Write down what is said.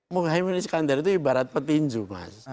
mohaimin iskandar itu ibarat petinju mas